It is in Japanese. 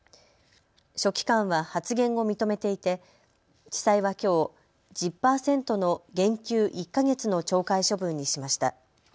書記官は発言を認めていて地裁はきょう、１０％の減給１か月の懲戒処分にしました。